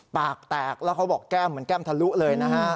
ปากแตกแล้วเขาบอกแก้มเหมือนแก้มทะลุเลยนะฮะ